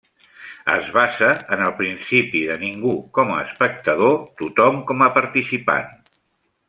Es basa en el principi de ningú com a espectador, tothom com a participant.